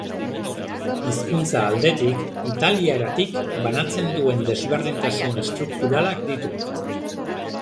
Hizkuntza aldetik, italieratik banatzen duen desberdintasun estrukturalak ditu.